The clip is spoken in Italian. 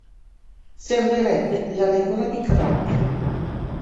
Servirebbe la regola di Cramer.